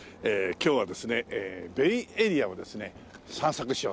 今日はですねベイエリアをですね散策しようと。